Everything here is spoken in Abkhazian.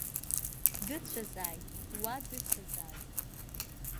Дыцәазааит уа, дыцәазааит.